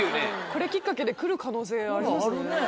これきっかけでくる可能性ありますよね。